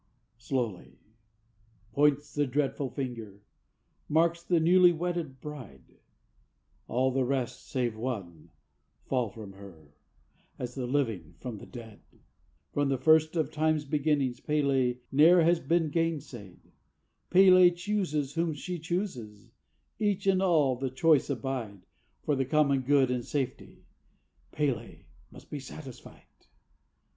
Slowly points the dreadful finger, marks the newly wedded bride; All the rest, save one, fall from her, as the living from the dead. From the first of time's beginnings P├®l├® ne'er has been gainsayed; P├®l├® chooses whom she chooses, each and all the choice abide, For the common good and safety, P├®l├® must be satisfied!